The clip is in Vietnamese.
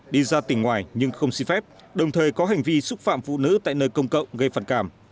đi ra tỉnh ngoài nhưng không xin phép đồng thời có hành vi xúc phạm phụ nữ tại nơi công cộng gây phản cảm